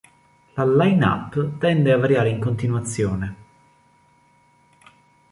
La "line-up" tende a variare in continuazione.